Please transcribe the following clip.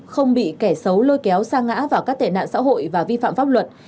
không bị kẻ xấu lôi kéo xa ngã vào các tệ nạn xã hội và vi phạm pháp luật